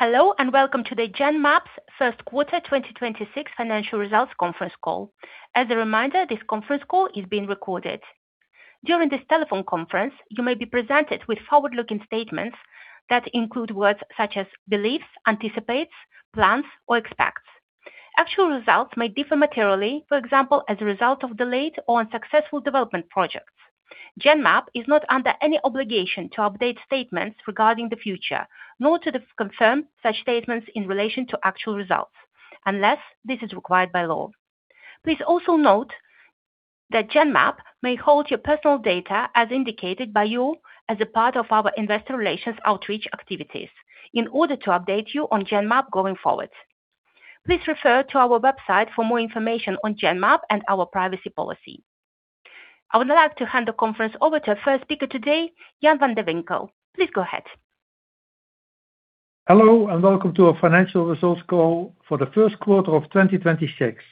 Hello, welcome to the Genmab's First Quarter 2026 Financial Results Conference Call. As a reminder, this conference call is being recorded. During this telephone conference, you may be presented with forward-looking statements that include words such as beliefs, anticipates, plans or expects. Actual results may differ materially, for example, as a result of delayed or unsuccessful development projects. Genmab is not under any obligation to update statements regarding the future, nor to confirm such statements in relation to actual results unless this is required by law. Please also note that Genmab may hold your personal data as indicated by you as a part of our investor relations outreach activities in order to update you on Genmab going forward. Please refer to our website for more information on Genmab and our privacy policy. I would like to hand the conference over to our first speaker today, Jan van de Winkel. Please go ahead. Hello, welcome to our financial results call for the first quarter of 2026.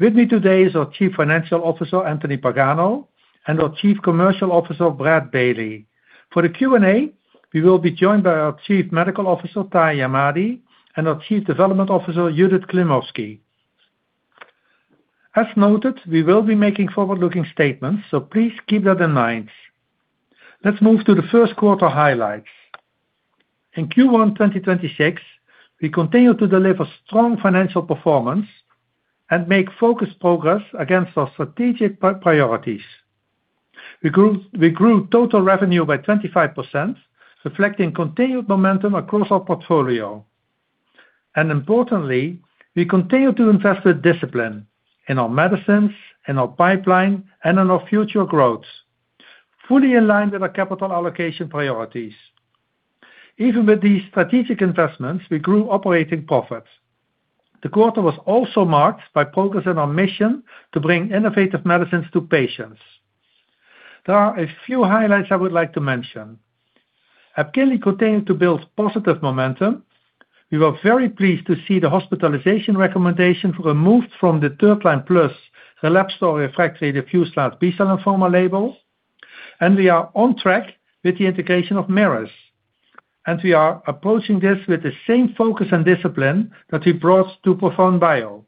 With me today is our Chief Financial Officer, Anthony Pagano, and our Chief Commercial Officer, Brad Bailey. For the Q&A, we will be joined by our Chief Medical Officer, Tahi Ahmadi, and our Chief Development Officer, Judith Klimovsky. As noted, we will be making forward-looking statements, so please keep that in mind. Let's move to the first quarter highlights. In Q1 2026, we continued to deliver strong financial performance and make focused progress against our strategic priorities. We grew total revenue by 25%, reflecting continued momentum across our portfolio. Importantly, we continue to invest with discipline in our medicines, in our pipeline and in our future growth, fully aligned with our capital allocation priorities. Even with these strategic investments, we grew operating profits. The quarter was also marked by progress in our mission to bring innovative medicines to patients. There are a few highlights I would like to mention. EPKINLY continued to build positive momentum. We were very pleased to see the hospitalization recommendation removed from the third line plus relapsed or refractory diffuse large B-cell lymphoma label. We are on track with the integration of Merus. We are approaching this with the same focus and discipline that we brought to ProfoundBio.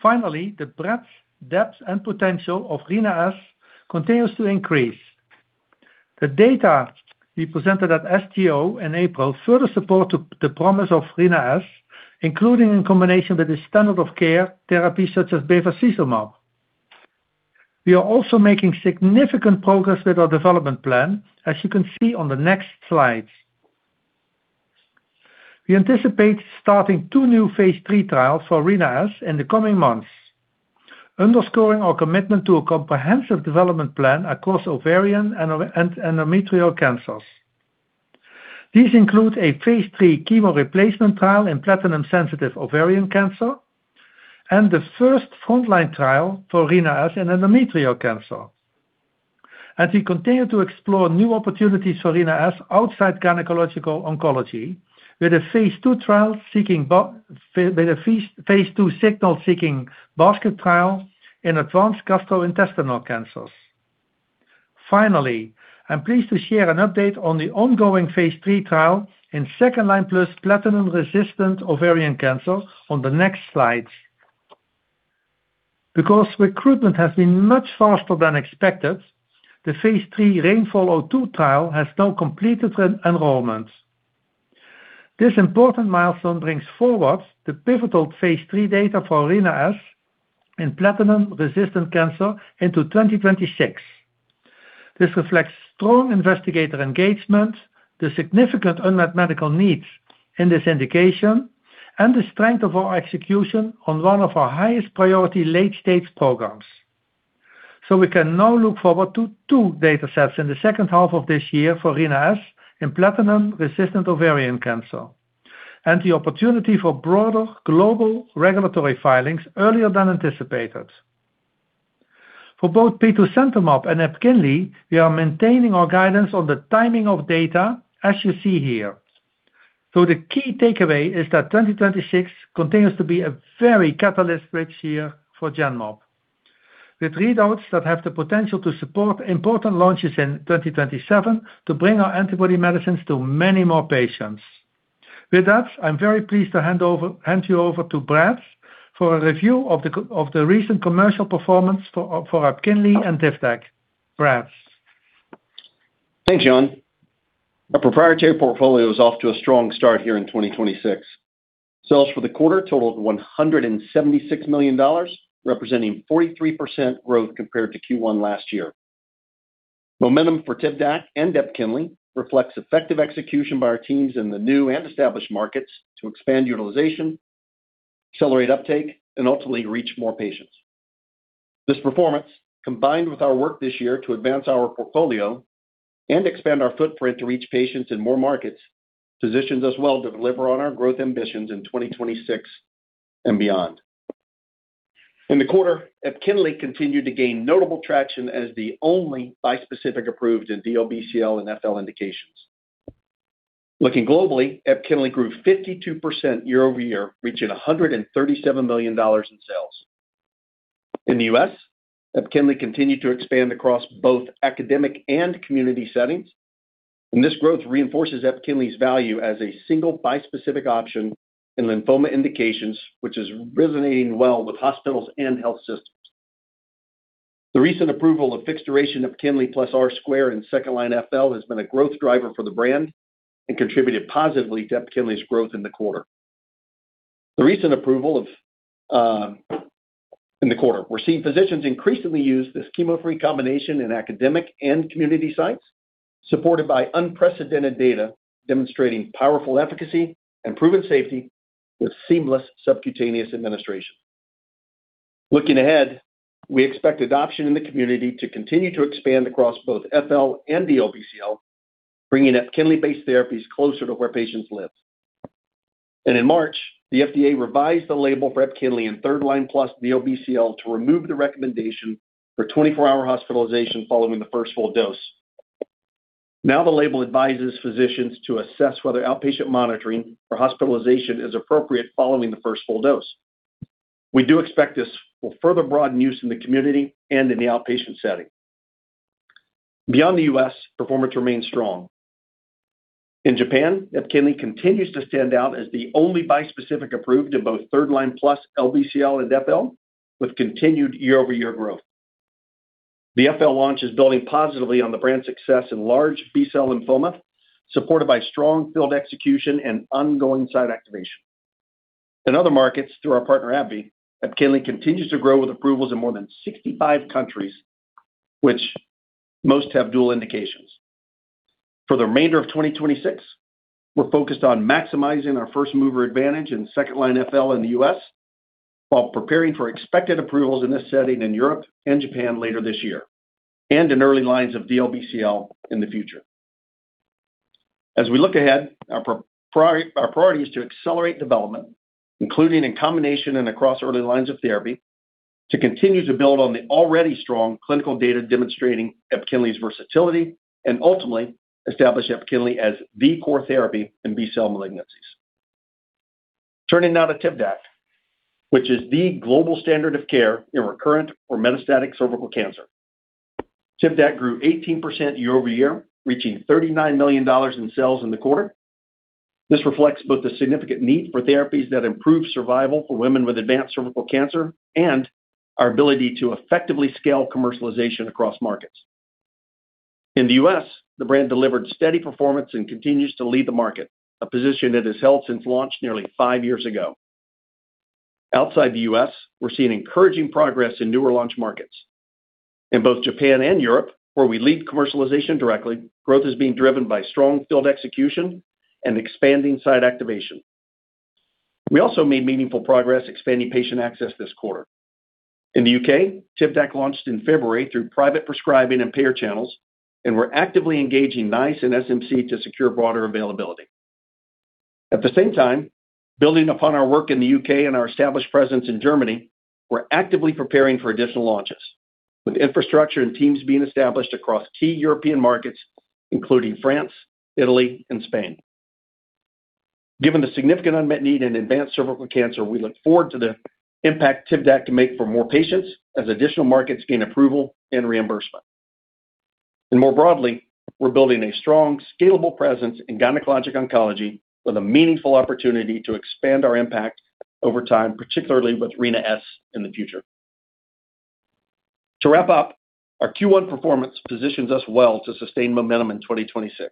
Finally, the breadth, depth and potential of Rina-S continues to increase. The data we presented at SGO in April further support the promise of Rina-S, including in combination with the standard of care therapies such as bevacizumab. We are also making significant progress with our development plan, as you can see on the next slides. We anticipate starting two new phase III trials for Rina-S in the coming months, underscoring our commitment to a comprehensive development plan across ovarian and endometrial cancers. These include a phase III chemo replacement trial in platinum-sensitive ovarian cancer and the first frontline trial for Rina-S in endometrial cancer. We continue to explore new opportunities for Rina-S outside gynecological oncology with a phase II signal-seeking basket trial in advanced gastrointestinal cancers. I'm pleased to share an update on the ongoing phase III trial in second-line plus platinum-resistant ovarian cancer on the next slides. Recruitment has been much faster than expected, the phase III RAINFOL-02 trial has now completed enrollment. This important milestone brings forward the pivotal phase III data for Rina-S in platinum-resistant cancer into 2026. This reflects strong investigator engagement, the significant unmet medical needs in this indication, and the strength of our execution on one of our highest priority late-stage programs. We can now look forward to two data sets in the second half of this year for Rina-S in platinum-resistant ovarian cancer and the opportunity for broader global regulatory filings earlier than anticipated. For both petosemtamab and EPKINLY, we are maintaining our guidance on the timing of data, as you see here. The key takeaway is that 2026 continues to be a very catalyst-rich year for Genmab, with readouts that have the potential to support important launches in 2027 to bring our antibody medicines to many more patients. With that, I'm very pleased to hand you over to Brad for a review of the recent commercial performance for EPKINLY and TIVDAK. Brad. Thanks, Jan. Our proprietary portfolio is off to a strong start here in 2026. Sales for the quarter totaled $176 million, representing 43% growth compared to Q1 last year. Momentum for TIVDAK and EPKINLY reflects effective execution by our teams in the new and established markets to expand utilization, accelerate uptake, and ultimately reach more patients. This performance, combined with our work this year to advance our portfolio and expand our footprint to reach patients in more markets, positions us well to deliver on our growth ambitions in 2026 and beyond. In the quarter, EPKINLY continued to gain notable traction as the only bispecific approved in DLBCL and FL indications. Looking globally, EPKINLY grew 52% year over year, reaching $137 million in sales. In the U.S., EPKINLY continued to expand across both academic and community settings. This growth reinforces EPKINLY's value as a single bispecific option in lymphoma indications, which is resonating well with hospitals and health systems. The recent approval of fixed duration of EPKINLY plus R² in second-line FL has been a growth driver for the brand and contributed positively to EPKINLY's growth in the quarter. In the quarter, we're seeing physicians increasingly use this chemo-free combination in academic and community sites, supported by unprecedented data demonstrating powerful efficacy and proven safety with seamless subcutaneous administration. Looking ahead, we expect adoption in the community to continue to expand across both FL and DLBCL, bringing EPKINLY-based therapies closer to where patients live. In March, the FDA revised the label for EPKINLY in third-line plus DLBCL to remove the recommendation for 24-hour hospitalization following the first full dose. Now, the label advises physicians to assess whether outpatient monitoring or hospitalization is appropriate following the first full dose. We do expect this will further broaden use in the community and in the outpatient setting. Beyond the U.S., performance remains strong. In Japan, EPKINLY continues to stand out as the only bispecific approved in both third-line plus LBCL and FL, with continued year-over-year growth. The FL launch is building positively on the brand success in large B-cell lymphoma, supported by strong field execution and ongoing site activation. In other markets, through our partner, AbbVie, EPKINLY continues to grow with approvals in more than 65 countries, which most have dual indications. For the remainder of 2026, we're focused on maximizing our first-mover advantage in second-line FL in the U.S. while preparing for expected approvals in this setting in Europe and Japan later this year, and in early lines of DLBCL in the future. We look ahead, our priority is to accelerate development, including in combination and across early lines of therapy, to continue to build on the already strong clinical data demonstrating EPKINLY's versatility and ultimately establish EPKINLY as the core therapy in B-cell malignancies. Turning now to TIVDAK, which is the global standard of care in recurrent or metastatic cervical cancer. TIVDAK grew 18% year-over-year, reaching $39 million in sales in the quarter. This reflects both the significant need for therapies that improve survival for women with advanced cervical cancer and our ability to effectively scale commercialization across markets. In the U.S., the brand delivered steady performance and continues to lead the market, a position it has held since launch nearly five years ago. Outside the U.S., we're seeing encouraging progress in newer launch markets. In both Japan and Europe, where we lead commercialization directly, growth is being driven by strong field execution and expanding site activation. We also made meaningful progress expanding patient access this quarter. In the U.K., TIVDAK launched in February through private prescribing and payer channels. We're actively engaging NICE and SMC to secure broader availability. At the same time, building upon our work in the U.K. and our established presence in Germany, we're actively preparing for additional launches, with infrastructure and teams being established across key European markets, including France, Italy, and Spain. Given the significant unmet need in advanced cervical cancer, we look forward to the impact TIVDAK can make for more patients as additional markets gain approval and reimbursement. More broadly, we're building a strong, scalable presence in gynecologic oncology with a meaningful opportunity to expand our impact over time, particularly with Rina-S in the future. To wrap up, our Q1 performance positions us well to sustain momentum in 2026.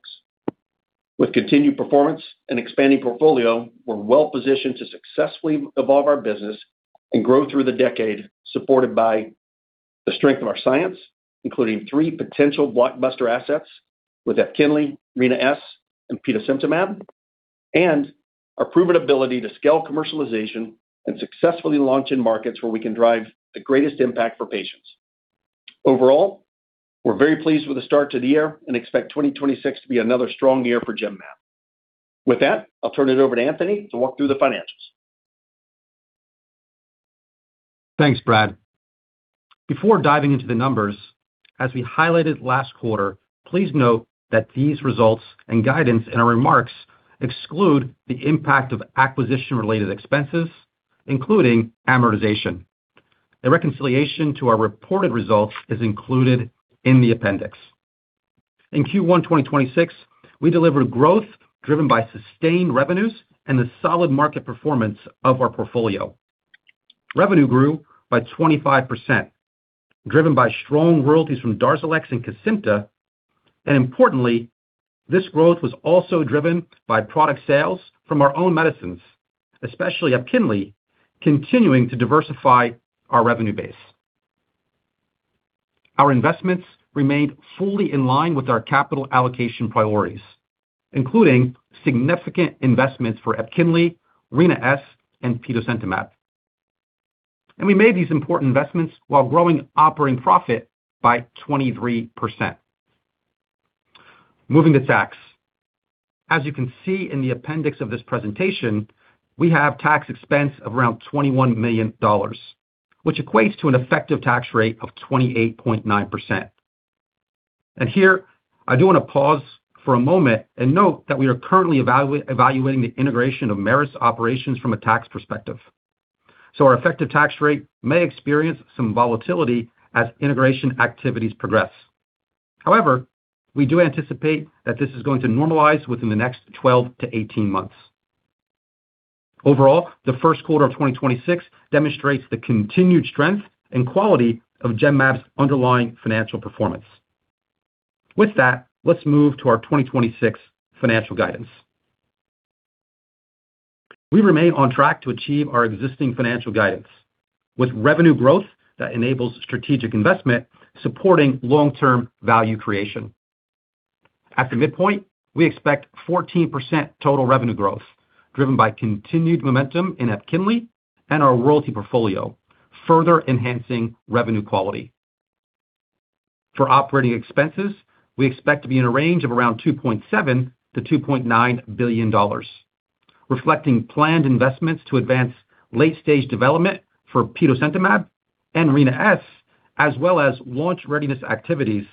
With continued performance and expanding portfolio, we're well-positioned to successfully evolve our business and grow through the decade, supported by the strength of our science, including three potential blockbuster assets with EPKINLY, Rina-S, and petosemtamab. And our proven ability to scale commercialization and successfully launch in markets where we can drive the greatest impact for patients. Overall, we're very pleased with the start to the year and expect 2026 to be another strong year for Genmab. With that, I'll turn it over to Anthony to walk through the financials. Thanks, Brad. Before diving into the numbers, as we highlighted last quarter, please note that these results and guidance in our remarks exclude the impact of acquisition-related expenses, including amortization. The reconciliation to our reported results is included in the appendix. In Q1 2026, we delivered growth driven by sustained revenues and the solid market performance of our portfolio. Importantly, this growth was also driven by product sales from our own medicines, especially EPKINLY, continuing to diversify our revenue base. Our investments remained fully in line with our capital allocation priorities, including significant investments for EPKINLY, Rina-S, and petosemtamab. We made these important investments while growing operating profit by 23%. Moving to tax. As you can see in the appendix of this presentation, we have tax expense of around $21 million, which equates to an effective tax rate of 28.9%. Here, I do want to pause for a moment and note that we are currently evaluating the integration of Merus operations from a tax perspective. Our effective tax rate may experience some volatility as integration activities progress. However, we do anticipate that this is going to normalize within the next 12-18 months. Overall, the first quarter of 2026 demonstrates the continued strength and quality of Genmab's underlying financial performance. With that, let's move to our 2026 financial guidance. We remain on track to achieve our existing financial guidance, with revenue growth that enables strategic investment supporting long-term value creation. At the midpoint, we expect 14% total revenue growth, driven by continued momentum in EPKINLY and our royalty portfolio, further enhancing revenue quality. For operating expenses, we expect to be in a range of around $2.7 billion-$2.9 billion, reflecting planned investments to advance late-stage development for petosemtamab and Rina-S, as well as launch readiness activities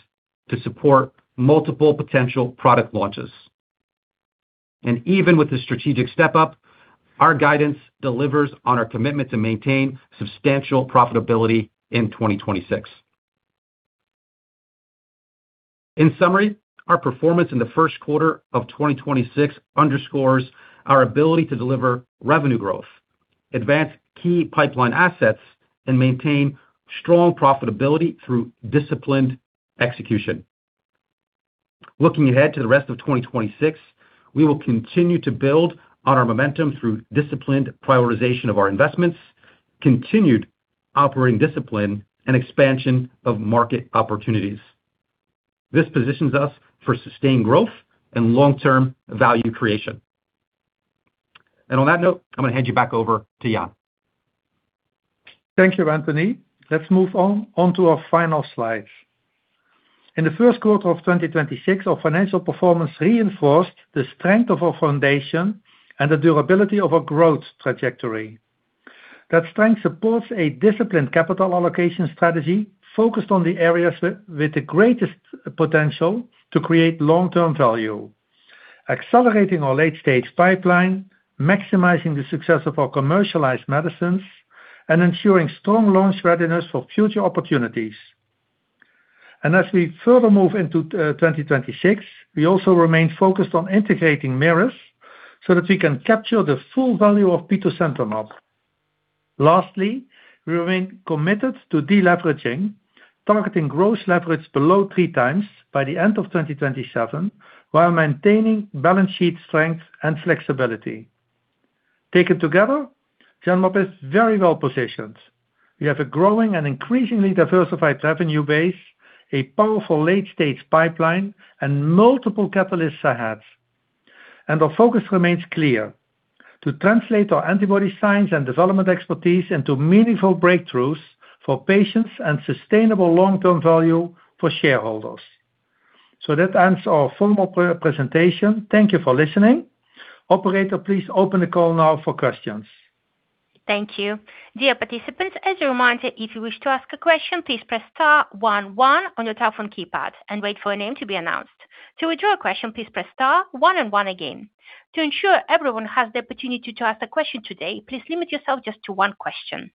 to support multiple potential product launches. Even with the strategic step-up, our guidance delivers on our commitment to maintain substantial profitability in 2026. In summary, our performance in the first quarter of 2026 underscores our ability to deliver revenue growth, advance key pipeline assets, and maintain strong profitability through disciplined execution. Looking ahead to the rest of 2026, we will continue to build on our momentum through disciplined prioritization of our investments, continued operating discipline, and expansion of market opportunities. This positions us for sustained growth and long-term value creation. On that note, I'm gonna hand you back over to Jan. Thank you, Anthony. Let's move on to our final slide. In the first quarter of 2026, our financial performance reinforced the strength of our foundation and the durability of our growth trajectory. That strength supports a disciplined capital allocation strategy focused on the areas with the greatest potential to create long-term value, accelerating our late-stage pipeline, maximizing the success of our commercialized medicines, and ensuring strong launch readiness for future opportunities. As we further move into 2026, we also remain focused on integrating Merus so that we can capture the full value of petosemtamab. Lastly, we remain committed to deleveraging, targeting gross leverage below 3x by the end of 2027, while maintaining balance sheet strength and flexibility. Taken together, Genmab is very well positioned. We have a growing and increasingly diversified revenue base, a powerful late-stage pipeline, and multiple catalysts ahead. Our focus remains clear, to translate our antibody science and development expertise into meaningful breakthroughs for patients and sustainable long-term value for shareholders. That ends our formal pre-presentation. Thank you for listening. Operator, please open the call now for questions. Thank you. Dear participants, as a reminder, if you wish to ask a question, please press star one one on your telephone keypad and wait for a name to be announced. To withdraw a question, please press star one and one again. To ensure everyone has the opportunity to ask a question today, please limit yourself just to one question.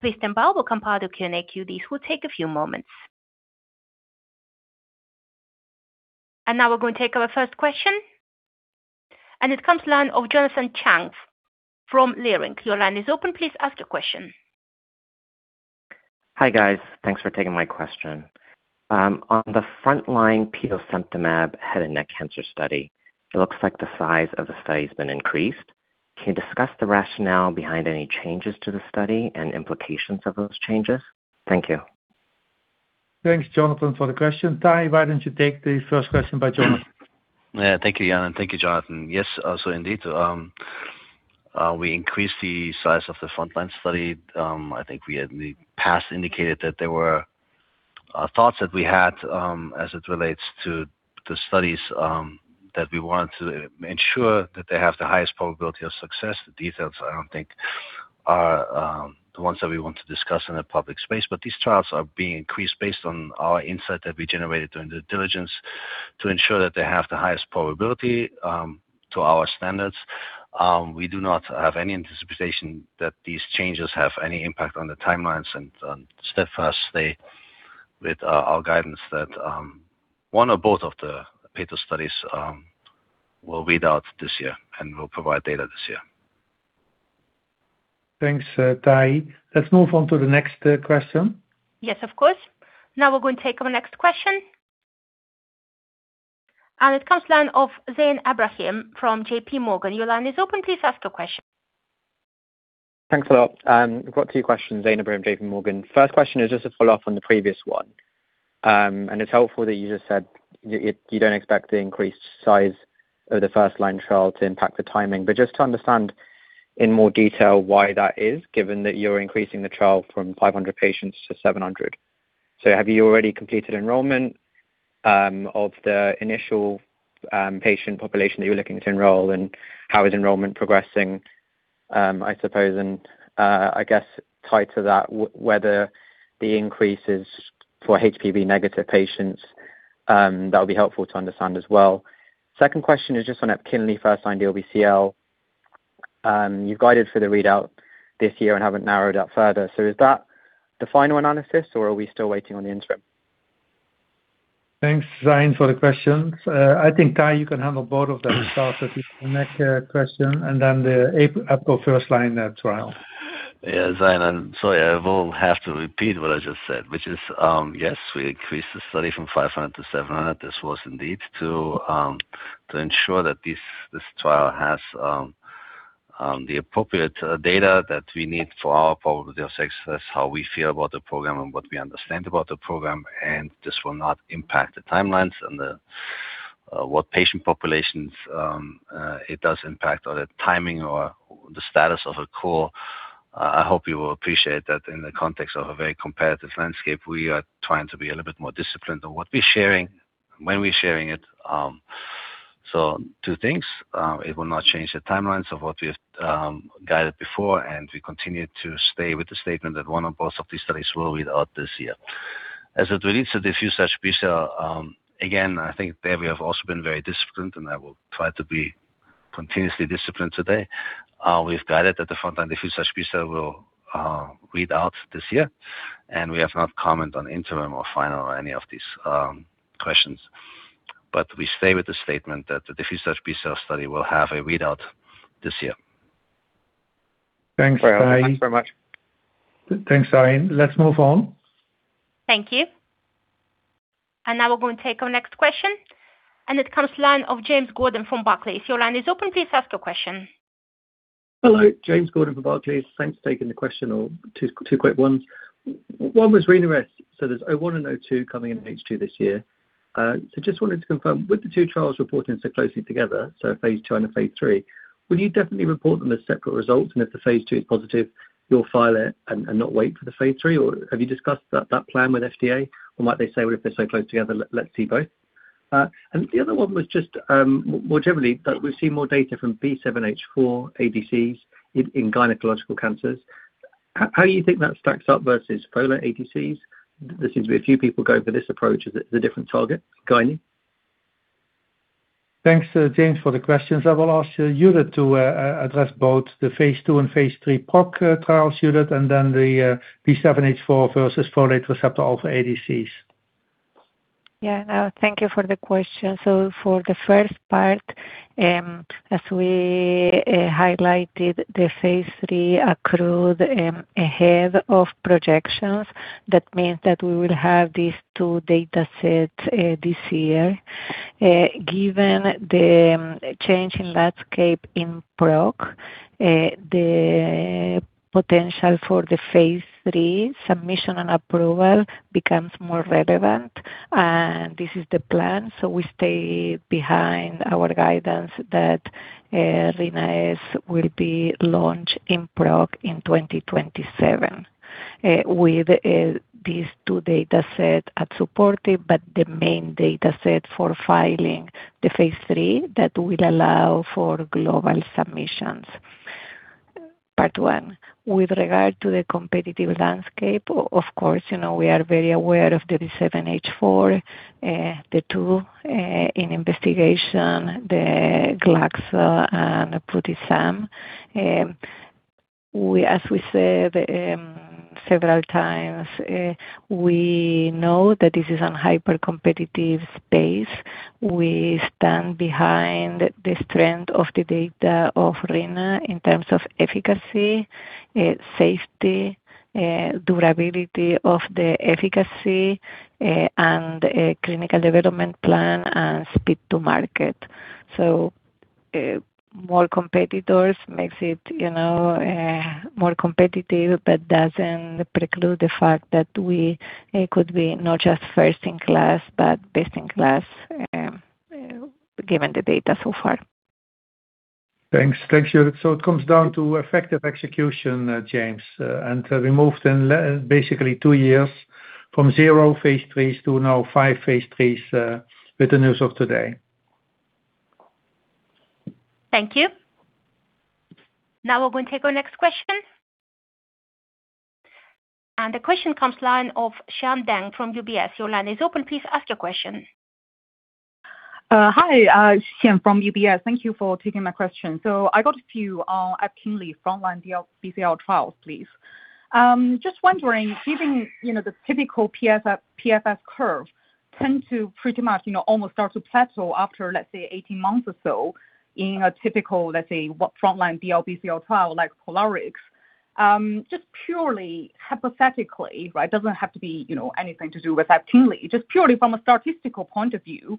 Please stand by while we compile the Q&A queues. This will take a few moments. Now we're going to take our first question, it comes line of Jonathan Chang from Leerink. Your line is open. Please ask your question. Hi, guys. Thanks for taking my question. On the frontline petosemtamab head and neck cancer study, it looks like the size of the study has been increased. Can you discuss the rationale behind any changes to the study and implications of those changes? Thank you. Thanks, Jonathan, for the question. Tahi, why don't you take the first question by Jonathan? Yeah. Thank you, Jan, and thank you, Jonathan. Yes, indeed, we increased the size of the frontline study. I think we had in the past indicated that there were thoughts that we had, as it relates to the studies, that we want to ensure that they have the highest probability of success. The details, I don't think are the ones that we want to discuss in a public space, but these trials are being increased based on our insight that we generated during due diligence to ensure that they have the highest probability to our standards. We do not have any anticipation that these changes have any impact on the timelines and on step first stay with our guidance that one or both of the beta studies will read out this year and will provide data this year. Thanks, Tahi. Let's move on to the next question. Yes, of course. Now we're going to take our next question. It comes line of Zain Ebrahim from JPMorgan. Your line is open. Please ask your question. Thanks a lot. I've got two questions. Zain Ebrahim, JPMorgan. First question is just to follow up on the previous one. It's helpful that you just said you don't expect the increased size of the first line trial to impact the timing. Just to understand in more detail why that is, given that you're increasing the trial from 500 patients to 700 patients. Have you already completed enrollment of the initial patient population that you're looking to enroll, and how is enrollment progressing? I suppose and, I guess tied to that, whether the increases for HPV-negative patients, that will be helpful to understand as well. Second question is just on EPKINLY first-line DLBCL. You've guided for the readout this year and haven't narrowed it up further. Is that the final analysis, or are we still waiting on the interim? Thanks, Zain, for the questions. I think, Tahi, you can handle both of them yourself, at least the next question, and then the EPCORE first-line trial. Yeah. Zain, I will have to repeat what I just said, which is, yes, we increased the study from 500 patients to 700 patients. This was indeed to ensure that this trial has the appropriate data that we need for our probability of success, how we feel about the program and what we understand about the program. This will not impact the timelines and what patient populations it does impact or the timing or the status of EPCORE. I hope you will appreciate that in the context of a very competitive landscape, we are trying to be a little bit more disciplined on what we're sharing, when we're sharing it. Two things. It will not change the timelines of what we've guided before, and we continue to stay with the statement that one or both of these studies will read out this year. As it relates to diffuse large B-cell, again, I think there we have also been very disciplined, and I will try to be continuously disciplined today. We've guided that the frontline diffuse large B-cell will read out this year, and we have not comment on interim or final or any of these questions. We stay with the statement that the diffuse large B-cell study will have a readout this year. Thanks, Zain. All right. Thanks very much. Thanks, Zain. Let's move on. Thank you. Now we're going to take our next question, and it comes line of James Gordon from Barclays. Your line is open. Please ask your question. Hello. James Gordon from Barclays. Thanks for taking the question or two quick ones. One was Rina-S. There's one and two coming in H2 this year. Just wanted to confirm, with the two trials reporting so closely together, phase II and a phase III, will you definitely report them as separate results? If the phase II is positive, you'll file it and not wait for the phase III, or have you discussed that plan with FDA? Might they say, "Well, if they're so close together, let's see both." The other one was just more generally that we've seen more data from B7-H4 ADCs in gynecological cancers. How do you think that stacks up versus folate ADCs? There seems to be a few people going for this approach. Is it the different target, Tahi? Thanks, James, for the questions. I will ask Judith to address both the phase II and phase III PROC trials, Judith, and then the B7-H4 versus folate receptor alpha ADCs. Yeah. No, thank you for the question. For the first part, as we highlighted, the phase III accrued ahead of projections, that means that we will have these two datasets this year. Given the change in landscape in PROC, the potential for the phase III submission and approval becomes more relevant. This is the plan. We stay behind our guidance that Rina-S will be launched in PROC in 2027, with these two dataset as supportive, but the main dataset for filing the phase III that will allow for global submissions. Part one, with regard to the competitive landscape, of course, you know, we are very aware of the B7-H4, the two in investigation, the GSK and petosemtamab. As we said, several times, we know that this is an hypercompetitive space. We stand behind the strength of the data of Rina-S in terms of efficacy, safety, durability of the efficacy, and a clinical development plan and speed to market. More competitors makes it, you know, more competitive, but doesn't preclude the fact that we could be not just first in class, but best in class, given the data so far. Thanks. Thanks, Judith. It comes down to effective execution, James. We moved basically two years from zero phase III to now five phase III, with the news of today. Thank you. Now we're going to take our next question. The question comes line of Xian Deng from UBS. Your line is open. Please ask your question. Hi, Xian from UBS. Thank you for taking my question. I got a few EPKINLY frontline DLBCL trials, please. Just wondering, given, you know, the typical PFS curve tend to pretty much, you know, almost start to plateau after, let's say, 18 months or so in a typical, let's say, what frontline DLBCL trial like POLARIX. Just purely hypothetically, right? It doesn't have to be, you know, anything to do with EPKINLY. Just purely from a statistical point of view,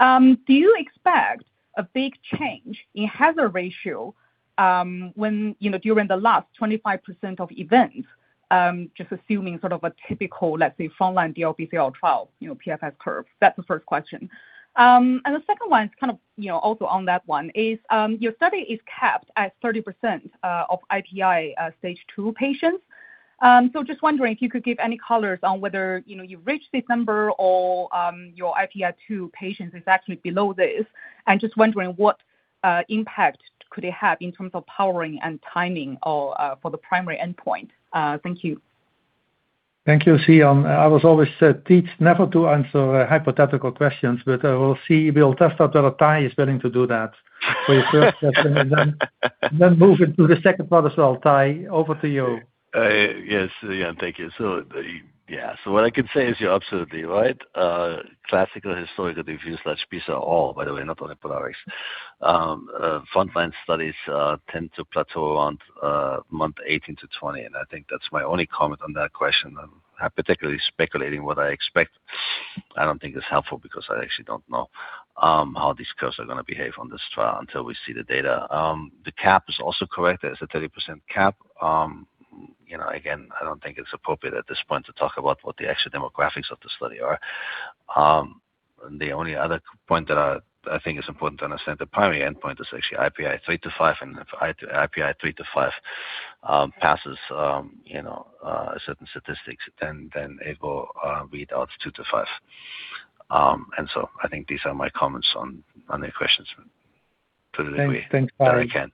do you expect a big change in hazard ratio, when, you know, during the last 25% of events, just assuming sort of a typical, let's say, frontline DLBCL trial, you know, PFS curve? That's the first question. The second one is kind of, you know, also on that one, your study is capped at 30% of IPI Stage 2 patients. Just wondering if you could give any colors on whether, you know, you've reached this number or your IPI 2 patients is actually below this. Just wondering what impact could it have in terms of powering and timing or for the primary endpoint. Thank you. Thank you, Xian. I was always teach never to answer hypothetical questions. I will see. We'll test out whether Tahi is willing to do that for your first question and then move into the second part as well. Tahi, over to you. Yes, Xian. Thank you. Yeah. What I can say is you're absolutely right. Classical historical diffuse large B-cell, oh, by the way, not only POLARIX. Frontline studies tend to plateau around month 18-20, and I think that's my only comment on that question. Particularly speculating what I expect, I don't think is helpful because I actually don't know how these curves are gonna behave on this trial until we see the data. The cap is also correct. There's a 30% cap. You know, again, I don't think it's appropriate at this point to talk about what the actual demographics of the study are. The only other point that I think is important to understand, the primary endpoint is actually IPI 3-5, and if IPI 3-5 passes, you know, certain statistics, then it will read out 2-5. I think these are my comments on your questions. Thanks. Thanks, Tahi. -very again.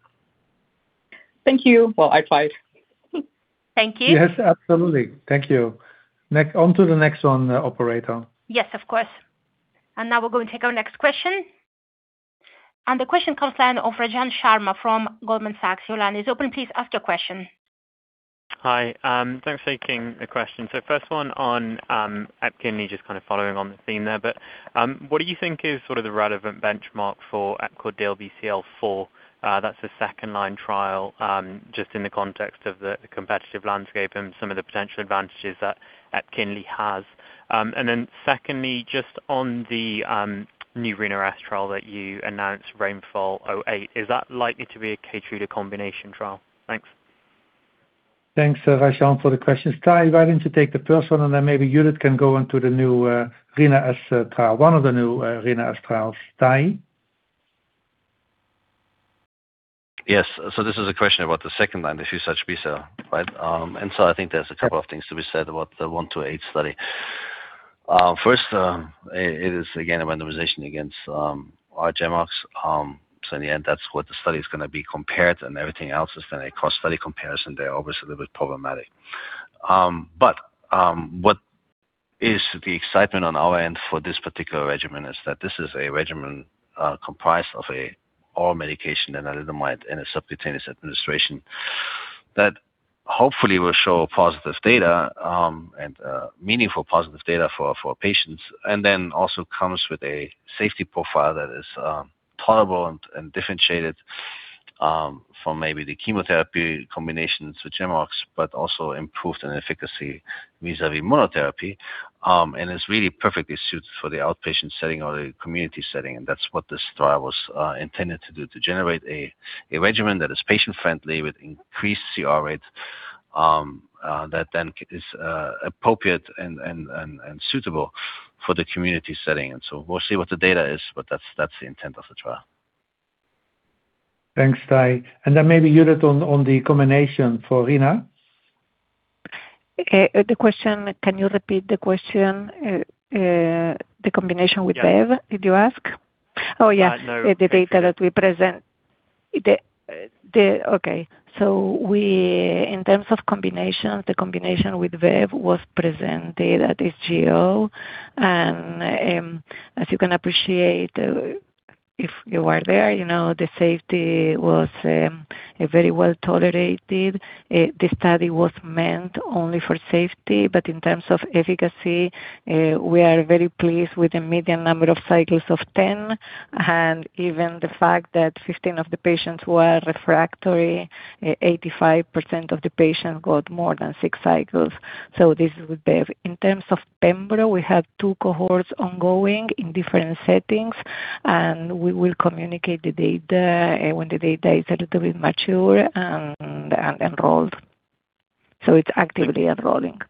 Thank you. Well, I tried. Thank you. Yes, absolutely. Thank you. On to the next one, operator. Yes, of course. Now we're going to take our next question. The question comes then of Rajan Sharma from Goldman Sachs. Your line is open. Please ask your question. Hi. thanks for taking the question. First one on EPKINLY, just kind of following on the theme there, but what do you think is sort of the relevant benchmark for EPCORE DLBCL-4? That's a second-line trial, just in the context of the competitive landscape and some of the potential advantages that EPKINLY has. Secondly, just on the new Rina-S trial that you announced, RAINFOL-08, is that likely to be a KEYTRUDA combination trial? Thanks. Thanks, Rajan, for the questions. Tahi, why don't you take the first one, and then maybe Judith can go onto the new Rina-S trial, one of the new Rina-S trials. Tahi. Yes. This is a question about the second-line diffuse large B-cell, right? I think there's a couple of things to be said about the BMC128 study. First, it is again a randomization against our R-GemOx. In the end, that's what the study is gonna be compared, and everything else is then a cross-study comparison. They're obviously a little bit problematic. What is the excitement on our end for this particular regimen is that this is a regimen comprised of oral medication and lenalidomide in a subcutaneous administration that hopefully will show positive data and meaningful positive data for patients. Also comes with a safety profile that is tolerable and differentiated from maybe the chemotherapy combination, so R-GemOx, but also improved in efficacy vis-a-vis monotherapy. It's really perfectly suited for the outpatient setting or the community setting, that's what this trial was intended to do, to generate a regimen that is patient-friendly with increased CR rate, that then is appropriate and suitable for the community setting. We'll see what the data is, but that's the intent of the trial. Thanks, Tahi. Maybe Judith on the combination for Rina. Okay. The question, can you repeat the question? The combination with Bev- Yeah Did you ask? Oh, yeah. No. The data that we present. In terms of combination, the combination with bevacizumab was presented at SGO. As you can appreciate, if you were there, you know, the safety was a very well tolerated. The study was meant only for safety, but in terms of efficacy, we are very pleased with the median number of cycles of 10. Even the fact that 15 of the patients were refractory, 85% of the patients got more than six cycles. This is with bevacizumab. In terms of pembrolizumab, we have two cohorts ongoing in different settings, and we will communicate the data when the data is a little bit mature and enrolled. It's actively enrolling.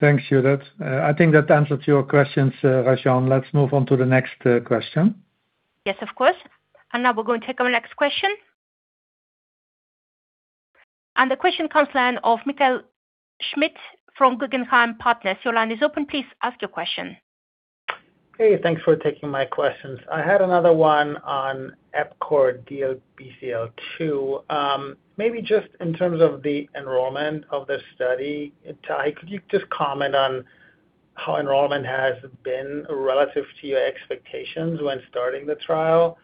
Thanks, Judith. I think that answers your questions, Rajan. Let's move on to the next question. Yes, of course. Now we're going to take our next question. The question comes then of Michael Schmidt from Guggenheim Partners. Your line is open. Please ask your question. Hey. Thanks for taking my questions. I had another one on EPCORE DLBCL-2. Maybe just in terms of the enrollment of this study, Tahi, could you just comment on how enrollment has been relative to your expectations when starting the trial?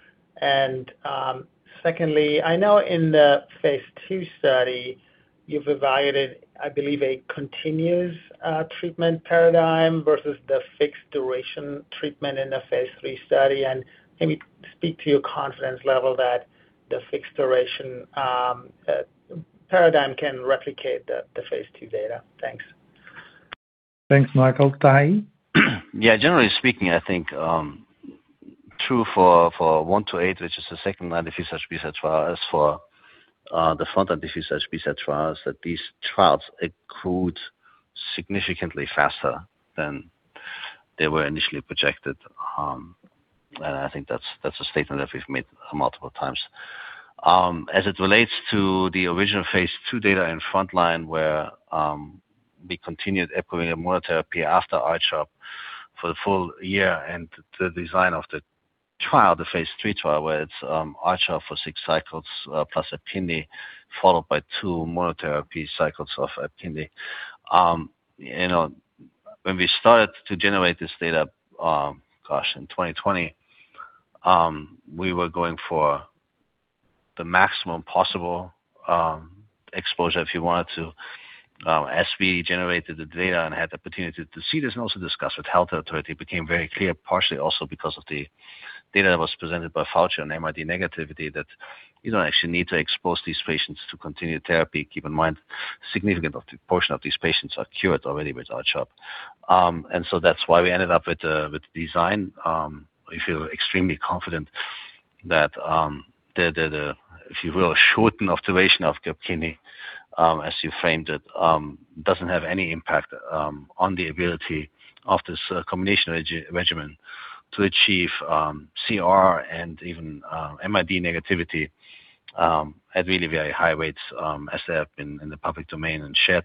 Secondly, I know in the phase II study, you've evaluated, I believe, a continuous treatment paradigm versus the fixed duration treatment in the phase III study. Can you speak to your confidence level that the fixed duration paradigm can replicate the phase II data? Thanks. Thanks, Michael. Tahi. Yeah. Generally speaking, I think, true for 1-8, which is the second-line diffuse large B-cell trial. The front-line diffuse large B-cell trials, these trials accrued significantly faster than they were initially projected. I think that's a statement that we've made multiple times. As it relates to the original phase II data in frontline where, we continued epcoritamab monotherapy after R-CHOP for the full year, the design of the trial, the phase III trial, where it's R-CHOP for six cycles, plus EPKINLY, followed by two monotherapy cycles of EPKINLY. You know, when we started to generate this data, gosh, in 2020, we were going for the maximum possible exposure if you wanted to. As we generated the data and had the opportunity to see this and also discuss with health authority, it became very clear, partially also because of the data that was presented by Faucher and MRD negativity, that you don't actually need to expose these patients to continued therapy. Keep in mind, significant of the portion of these patients are cured already with R-CHOP. That's why we ended up with the design. We feel extremely confident that the, if you will, shortened observation of EPKINLY, as you framed it, doesn't have any impact on the ability of this combination regimen to achieve CR and even MRD negativity at really very high rates, as they have been in the public domain and shared.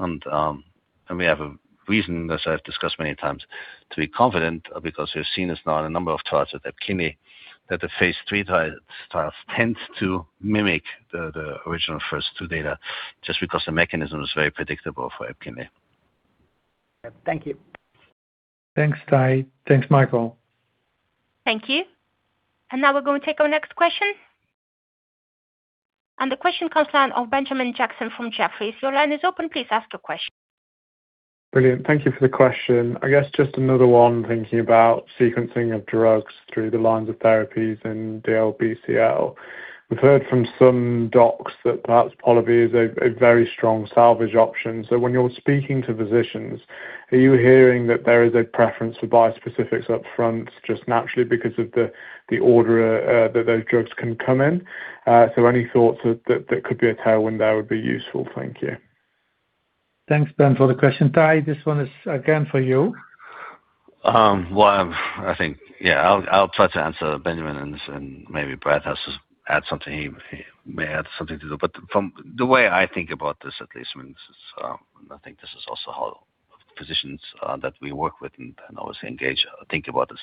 We have a reason, as I've discussed many times, to be confident because we've seen this now in a number of trials with EPKINLY, that the phase III trials tend to mimic the original first two data just because the mechanism is very predictable for EPKINLY. Thank you. Thanks, Tahi. Thanks, Michael. Thank you. Now we're going to take our next question. The question comes now of Benjamin Jackson from Jefferies. Your line is open. Please ask your question. Brilliant. Thank you for the question. I guess just another one, thinking about sequencing of drugs through the lines of therapies in DLBCL. We've heard from some docs that perhaps POLIVY is a very strong salvage option. When you're speaking to physicians, are you hearing that there is a preference for bispecifics up front just naturally because of the order that those drugs can come in? Any thoughts that could be a tailwind that would be useful. Thank you. Thanks, Ben, for the question. Tahi, this one is again for you. Well, I think, yeah, I'll try to answer Benjamin and maybe Brad has to add something. He may add something to do. From the way I think about this, at least, I mean, this is, I think this is also how physicians that we work with and obviously engage think about this.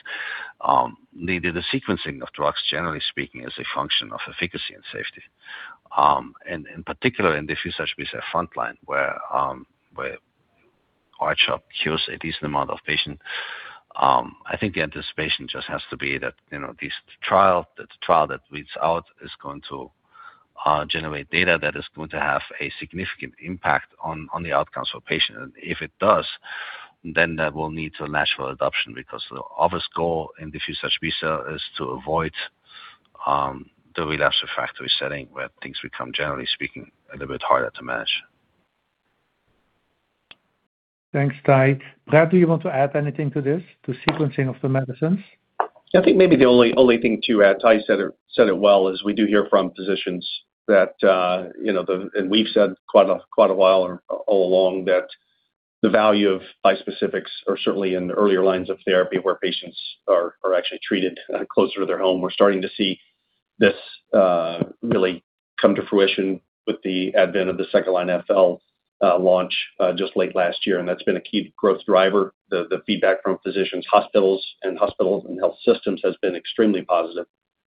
The sequencing of drugs, generally speaking, is a function of efficacy and safety. In particular, in diffuse large B-cell frontline, where R-CHOP cures a decent amount of patients, I think the anticipation just has to be that, you know, this trial, the trial that reads out is going to generate data that is going to have a significant impact on the outcomes for patients. If it does, then that will lead to natural adoption because the obvious goal in diffuse large B-cell is to avoid the relapsed refractory setting where things become, generally speaking, a little bit harder to manage. Thanks, Tahi. Brad, do you want to add anything to this, to sequencing of the medicines? I think maybe the only thing to add, Tahi said it well, is we do hear from physicians that, you know, we've said quite a while or all along that the value of bispecifics are certainly in the earlier lines of therapy where patients are actually treated closer to their home. We're starting to see this really come to fruition with the advent of the second-line FL launch just late last year, and that's been a key growth driver. The feedback from physicians, hospitals and health systems has been extremely positive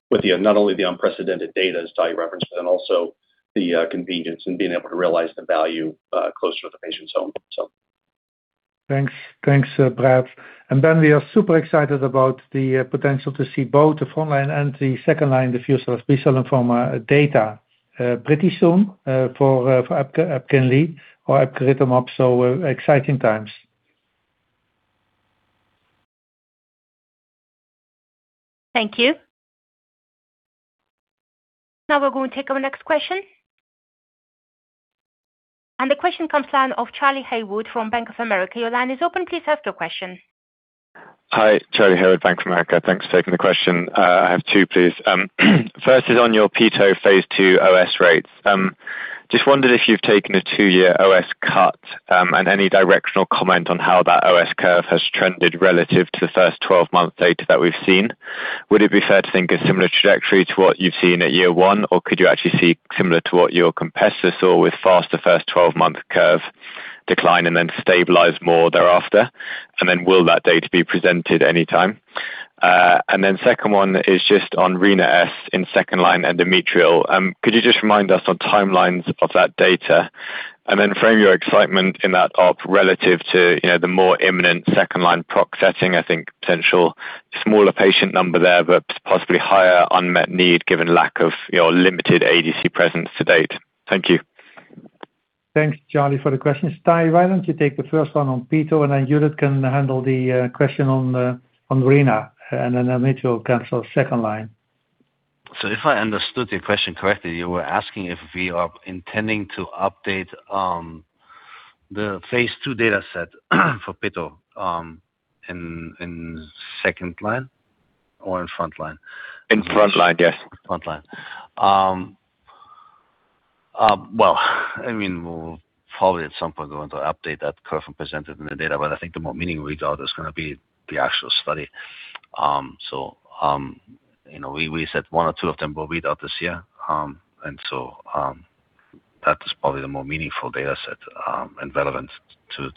with the, not only the unprecedented data, as Tahi referenced, but also the convenience in being able to realize the value closer to the patient's home. Thanks. Thanks, Brad. Ben, we are super excited about the potential to see both the frontline and the second line diffuse large B-cell lymphoma data, pretty soon, for EPKINLY or epcoritamab, so, exciting times. Thank you. Now we're going to take our next question. The question comes now of Charlie Haywood from Bank of America. Your line is open. Please ask your question. Hi, Charlie Haywood, Bank of America. Thanks for taking the question. I have two, please. First is on your peto phase II OS rates. Just wondered if you've taken a two-year OS cut, and any directional comment on how that OS curve has trended relative to the first 12-month data that we've seen. Would it be fair to think a similar trajectory to what you've seen at year one, or could you actually see similar to what your competitors saw with faster first 12-month curve decline and then stabilize more thereafter? Will that data be presented any time? Second one is just on Rina-S in second line and endometrial. Could you just remind us on timelines of that data? Frame your excitement in that op relative to, you know, the more imminent second line PROC setting. I think potential smaller patient number there, but possibly higher unmet need given lack of, you know, limited ADC presence to date. Thank you. Thanks, Charlie, for the questions. Tahi, why don't you take the first one on peto, and then Judith can handle the question on Rena, and then endometrial cancer for second line. If I understood your question correctly, you were asking if we are intending to update the phase II data set for peto in second line or in front line? In front line, yes. Front line. Well, I mean, we'll probably at some point we're going to update that curve presented in the data, but I think the more meaning we got is gonna be the actual study. You know, we said one or two of them will be out this year. That is probably the more meaningful data set, and relevant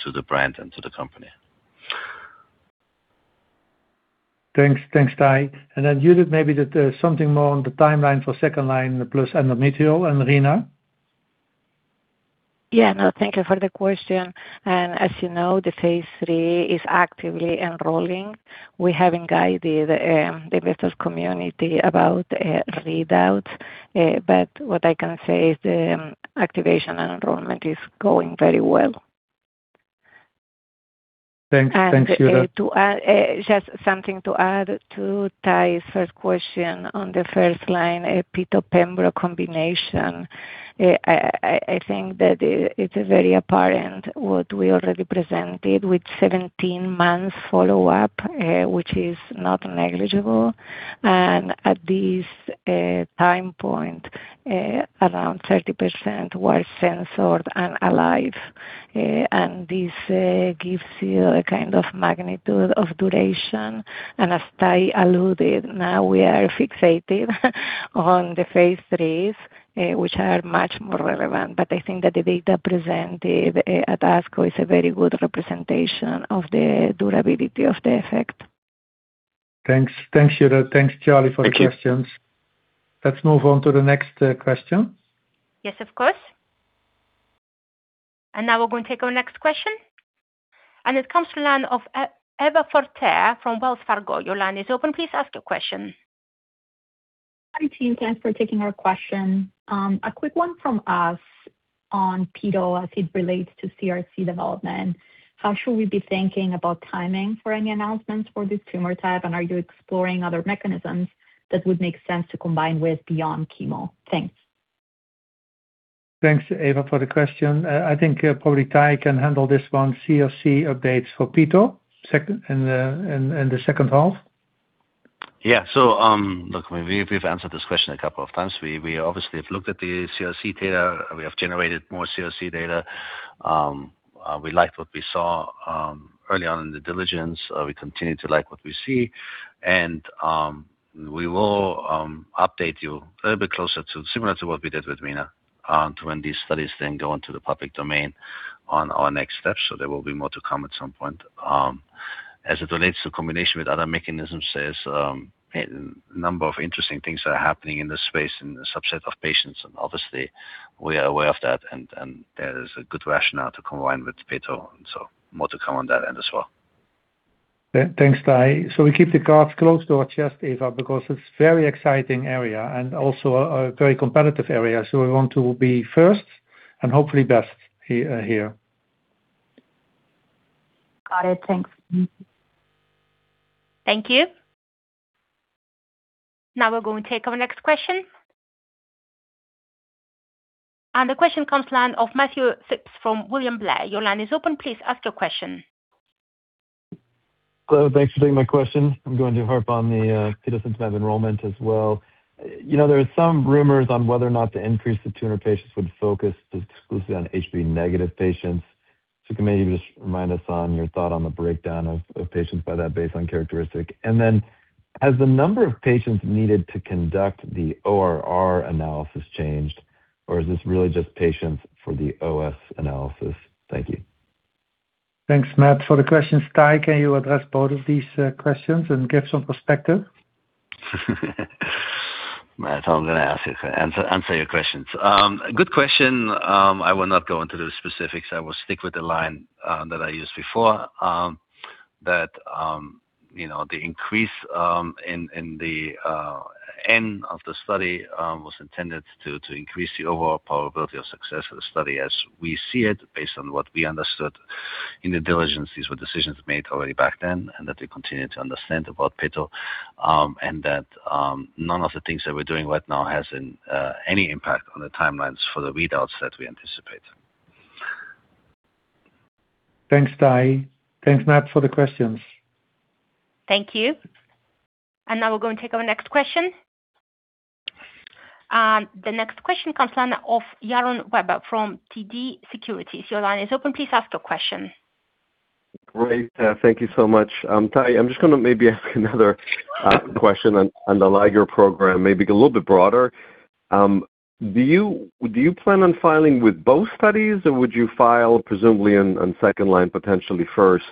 to the brand and to the company. Thanks. Thanks, Tahi. Judith, maybe the something more on the timeline for second-line plus endometrial and Rina. Yeah. No, thank you for the question. As you know, the phase III is actively enrolling. We haven't guided the business community about read out, but what I can say is the activation and enrollment is going very well. Thanks. Thanks, Judith. Just something to add to Tahi's first question on the first-line peto-pembro combination. I think that it's very apparent what we already presented with 17 months follow-up, which is not negligible. At this time point, around 30% were censored and alive. This gives you a kind of magnitude of duration. As Tahi alluded, now we are fixated on the phase III, which are much more relevant. I think that the data presented at ASCO is a very good representation of the durability of the effect. Thanks. Thanks, Judith. Thanks, Charlie, for the questions. Thank you. Let's move on to the next question. Yes, of course. Now we're going to take our next question, it comes from line of Eva Fortea-Verdejo from Wells Fargo. Your line is open. Please ask your question. Hi, team. Thanks for taking our question. A quick one from us on Peto as it relates to CRC development. How should we be thinking about timing for any announcements for this tumor type? Are you exploring other mechanisms that would make sense to combine with beyond chemo? Thanks. Thanks, Eva, for the question. I think probably Tahi can handle this one, CRC updates for Peto in the second half. Yeah. Look, we've answered this question a couple of times. We obviously have looked at the CRC data. We have generated more CRC data. We liked what we saw early on in the diligence. We continue to like what we see. We will update you a little bit closer to similar to what we did with Rina, to when these studies then go into the public domain on our next steps. There will be more to come at some point. As it relates to combination with other mechanisms, there's a number of interesting things that are happening in this space in the subset of patients. Obviously, we are aware of that, and there is a good rationale to combine with Peto. More to come on that end as well. Thanks, Tahi. We keep the cards close to our chest, Eva, because it's very exciting area and also a very competitive area. We want to be first and hopefully best here. Got it. Thanks. Thank you. Now we're going to take our next question. The question comes in of Matthew Phipps from William Blair. Your line is open. Please ask your question. Hello. Thanks for taking my question. I'm going to harp on the peto pace of enrollment as well. You know, there are some rumors on whether or not the increase to 200 patients would focus exclusively on HPV-negative patients. can maybe just remind us on your thought on the breakdown of patients by that baseline characteristic. then has the number of patients needed to conduct the ORR analysis changed, or is this really just patients for the OS analysis? Thank you. Thanks, Matt, for the question. Tahi, can you address both of these questions and give some perspective? Matt, I'm gonna ask you to answer your questions. Good question. I will not go into the specifics. I will stick with the line that I used before, that, you know, the increase in the N of the study was intended to increase the overall probability of success of the study as we see it, based on what we understood in the diligences were decisions made already back then, and that we continue to understand about pito, and that none of the things that we're doing right now has any impact on the timelines for the readouts that we anticipate. Thanks, Tahi. Thanks, Matt, for the questions. Thank you. Now we're going to take our next question. The next question comes in of Yaron Werber from TD Securities. Your line is open. Please ask your question. Great. Thank you so much. Tahi, I'm just gonna maybe ask another question on the LiGeR program, maybe a little bit broader. Do you plan on filing with both studies, or would you file presumably on second line, potentially first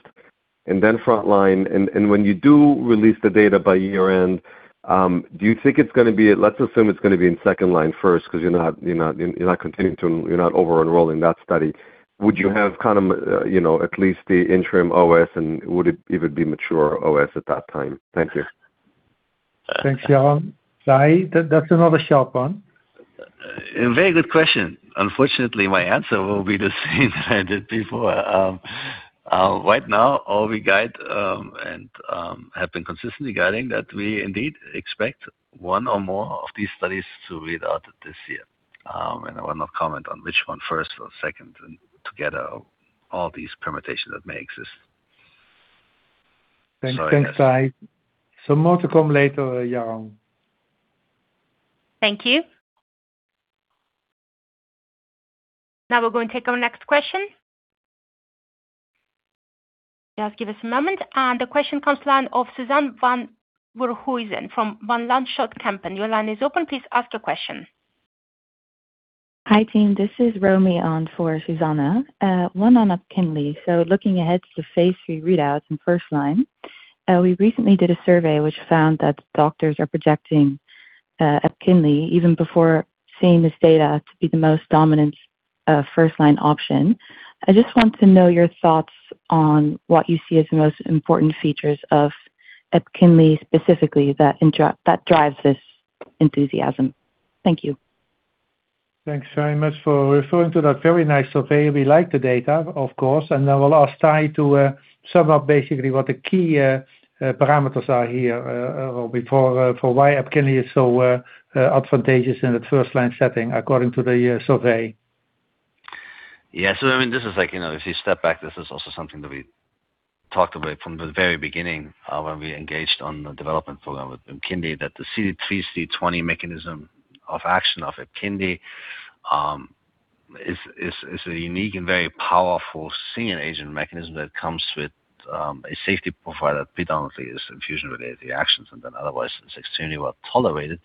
and then front line? When you do release the data by year-end, do you think it's gonna be, let's assume it's gonna be in second line first because you're not continuing to over-enrolling that study? Would you have, you know, at least the interim OS, and would it even be mature OS at that time? Thank you. Thanks, Yaron. Tahi, that's another sharp one. A very good question. Unfortunately, my answer will be the same that I did before. Right now, all we guide, and, have been consistently guiding that we indeed expect one or more of these studies to read out this year. I will not comment on which one first or second and together all these permutations that may exist. Thanks. Thanks, Tahi. More to come later, Yaron Werber. Thank you. Now we're going to take our next question. Just give us a moment. The question comes to line of Suzanne van Voorthuizen from Van Lanschot Kempen. Your line is open. Please ask your question. Hi, team. This is Romy on for Suzanne. One on EPKINLY. Looking ahead to the phase III readouts in first line, we recently did a survey which found that doctors are projecting EPKINLY even before seeing this data to be the most dominant first line option. I just want to know your thoughts on what you see as the most important features of EPKINLY specifically that drives this enthusiasm. Thank you. Thanks very much for referring to that very nice survey. We like the data, of course, and then we'll ask Tahi to sum up basically what the key parameters are here before for why EPKINLY is so advantageous in the first line setting according to the survey. Yeah. I mean, this is like, you know, if you step back, this is also something that we talked about from the very beginning, when we engaged on the development program with EPKINLY, that the CD3xCD20 mechanism of action of EPKINLY is a unique and very powerful single-agent mechanism that comes with a safety profile that predominantly is infusion-related reactions and then otherwise it's extremely well-tolerated.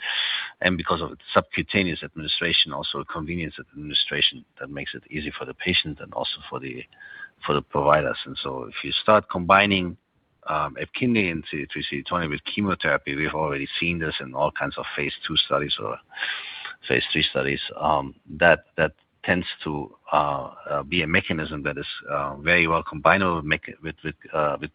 Because of subcutaneous administration, also a convenience administration that makes it easy for the patient and also for the providers. If you start combining EPKINLY and CD3xCD20 with chemotherapy, we've already seen this in all kinds of phase II studies or phase III studies, that tends to be a mechanism that is very well combined with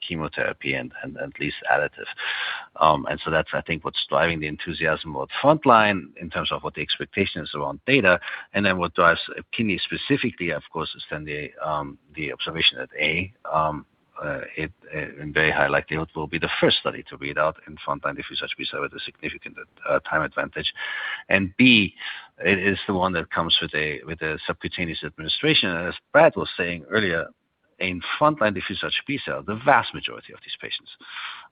chemotherapy and at least additive. That's, I think, what's driving the enthusiasm about frontline in terms of what the expectation is around data. What drives EPKINLY specifically, of course, is then the observation that, A, in very high likelihood will be the first study to read out in frontline diffuse large B-cell with a significant time advantage. B, it is the one that comes with a subcutaneous administration. As Brad was saying earlier, in frontline diffuse large B-cell, the vast majority of these patients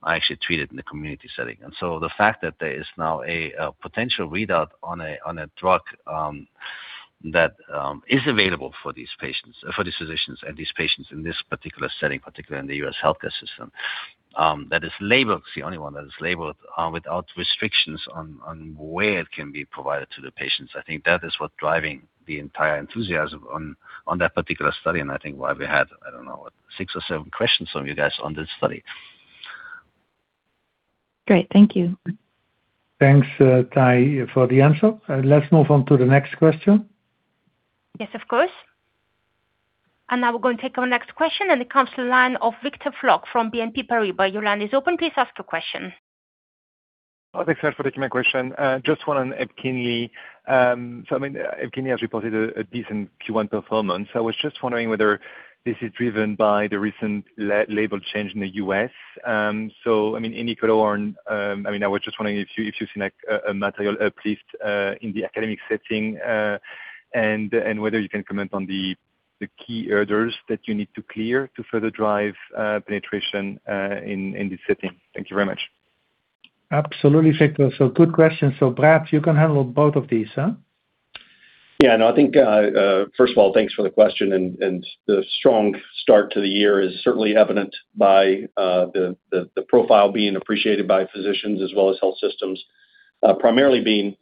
are actually treated in the community setting. The fact that there is now a potential readout on a drug that is available for these physicians and these patients in this particular setting, particularly in the U.S. healthcare system, that is labeled, it's the only one that is labeled without restrictions on where it can be provided to the patients. I think that is what driving the entire enthusiasm on that particular study, and I think why we had, I don't know, six or seven questions from you guys on this study. Great. Thank you. Thanks, Tahi, for the answer. Let's move on to the next question. Yes, of course. Now we're going to take our next question, and it comes to line of Victor Floc'h from BNP Paribas. Thanks for taking my question. Just one on EPKINLY. I mean, EPKINLY has reported a decent Q1 performance. I was just wondering whether this is driven by the recent label change in the U.S. I mean, in equal or, I mean, I was just wondering if you've seen like a material uplift in the academic setting and whether you can comment on the key orders that you need to clear to further drive penetration in this setting. Thank you very much. Absolutely, Victor. Good question. Brad Bailey, you can handle both of these, huh? Yeah. No, I think, first of all, thanks for the question and the strong start to the year is certainly evident by the profile being appreciated by physicians as well as health systems. Primarily being,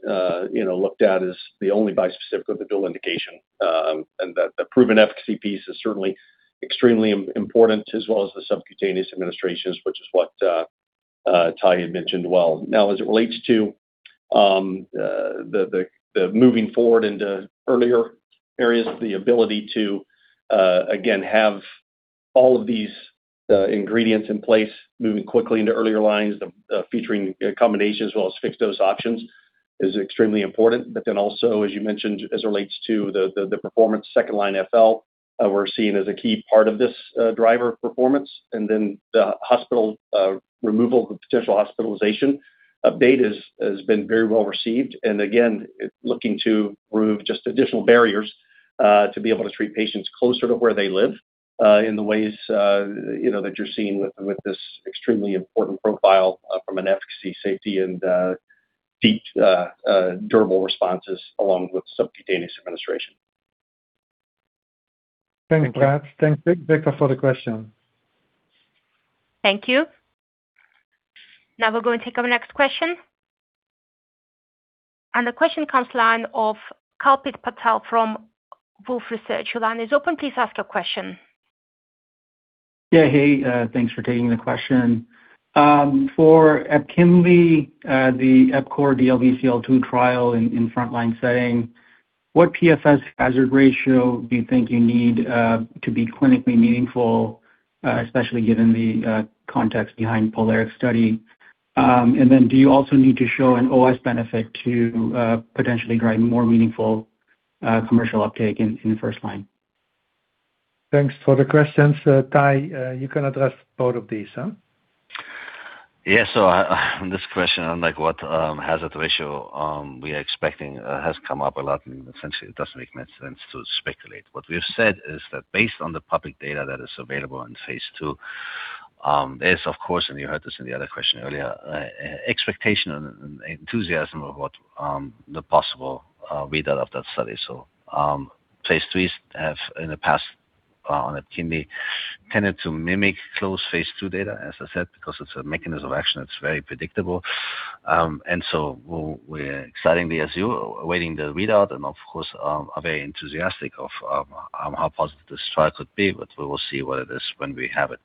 you know, looked at as the only bispecific with the dual indication. The proven efficacy piece is certainly extremely important as well as the subcutaneous administrations, which is what Tahi had mentioned well. Now, as it relates to moving forward into earlier areas, the ability to again, have all of these ingredients in place, moving quickly into earlier lines, featuring combinations as well as fixed-dose options is extremely important. Also, as you mentioned, as it relates to the performance second-line FL, we're seeing as a key part of this driver performance. The hospital removal of potential hospitalization data has been very well-received. Again, looking to remove just additional barriers to be able to treat patients closer to where they live in the ways, you know, that you're seeing with this extremely important profile from an efficacy, safety, and deep durable responses along with subcutaneous administration. Thanks, Brad. Thanks, Victor, for the question. Thank you. Now we're going to take our next question. The question comes line of Kalpit Patel from Wolfe Research. Your line is open. Please ask your question. Thanks for taking the question. For EPKINLY, the EPCORE DLBCL-2 trial in frontline setting, what PFS hazard ratio do you think you need to be clinically meaningful, especially given the context behind POLARIX study? Do you also need to show an OS benefit to potentially drive more meaningful commercial uptake in the first line? Thanks for the questions. Tahi, you can address both of these, huh? On this question on like what hazard ratio we are expecting has come up a lot, and essentially it doesn't make much sense to speculate. What we've said is that based on the public data that is available in phase II, there's of course, and you heard this in the other question earlier, expectation and enthusiasm of what the possible readout of that study. Phase IIIs have in the past on EPKINLY tended to mimic close phase II data, as I said, because it's a mechanism of action that's very predictable. We're excitingly, as you, awaiting the readout and of course are very enthusiastic of how positive this trial could be, but we will see what it is when we have it.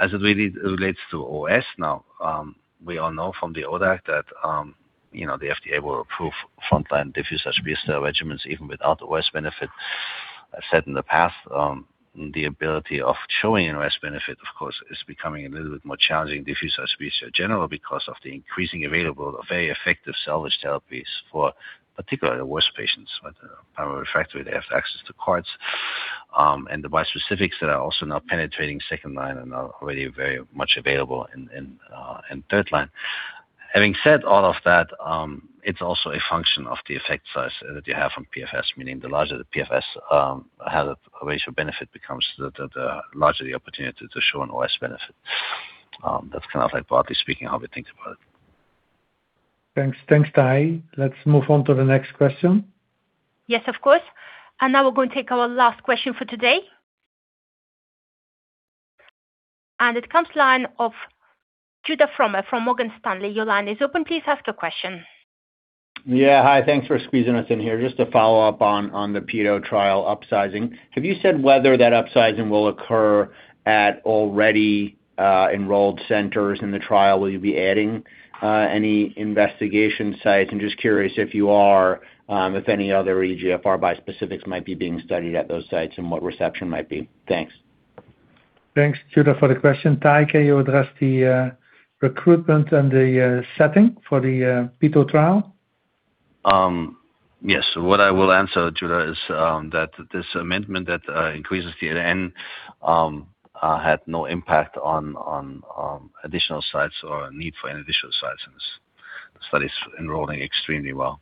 As it really relates to OS now, we all know from the ODAC that, you know, the FDA will approve frontline diffuse large B-cell regimens even without OS benefit. I've said in the past, the ability of showing an OS benefit, of course, is becoming a little bit more challenging, diffuse large B-cell general because of the increasing available of very effective salvage therapies for particularly the worst patients with primary refractory, they have access to CAR T. The bispecifics that are also now penetrating second line and are already very much available in third line. Having said all of that, it's also a function of the effect size that you have on PFS, meaning the larger the PFS hazard ratio benefit becomes, the larger the opportunity to show an OS benefit. That's kind of like broadly speaking how we think about it. Thanks. Thanks, Tahi. Let's move on to the next question. Yes, of course. Now we're going to take our last question for today. It comes line of Judah Frommer from Morgan Stanley. Your line is open. Please ask your question. Hi, thanks for squeezing us in here. Just to follow up on the pito trial upsizing. Have you said whether that upsizing will occur at already enrolled centers in the trial? Will you be adding any investigation sites? I'm just curious if you are, if any other EGFR bispecifics might be being studied at those sites and what reception might be. Thanks. Thanks, Judah, for the question. Tahi, can you address the recruitment and the setting for the pito trial? Yes. What I will answer, Judah, is that this amendment that increases the N had no impact on additional sites or need for any additional sites since the study's enrolling extremely well.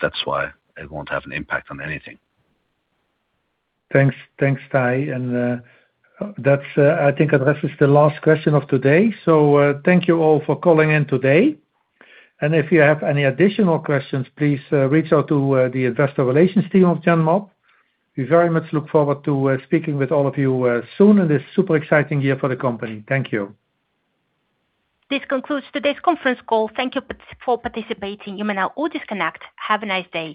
That's why it won't have an impact on anything. Thanks. Thanks, Tahi. That, I think addresses the last question of today. Thank you all for calling in today. If you have any additional questions, please reach out to the investor relations team of Genmab. We very much look forward to speaking with all of you soon in this super exciting year for the company. Thank you. This concludes today's conference call. Thank you for participating. You may now all disconnect. Have a nice day.